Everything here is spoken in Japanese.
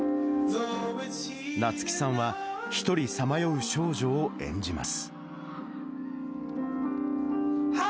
なつきさんは１人さまよう少女を演じます。